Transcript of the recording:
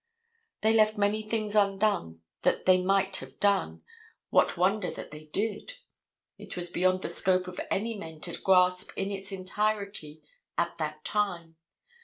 They left many things undone that they might have done; what wonder that they did? It was beyond the scope of any men to grasp in its entirety at that time.